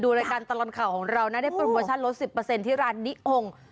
รายการตลอดข่าวของเรานะได้โปรโมชั่นลด๑๐ที่ร้านนิองค์